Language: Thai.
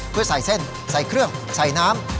เพื่อใส่เส้นใส่เครื่องใส่น้ำ